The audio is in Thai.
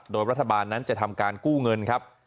โดยรัฐบาลนั้นจะทำการกู้เงินครับ